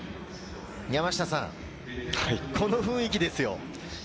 山下さん、この雰囲気ですよ。